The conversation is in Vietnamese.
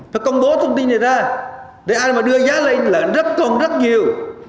phải công bố thông tin này ra để ai mà đưa giá lên là rất còn rất nhiều